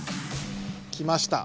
きました。